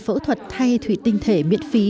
phẫu thuật thay thủy tinh thể miễn phí